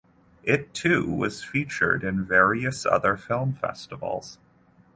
It too was featured in various other film festivals.